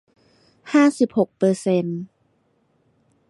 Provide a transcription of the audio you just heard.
ห้าสิบหกเปอร์เซนต์